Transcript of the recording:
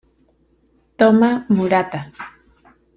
Toma Murata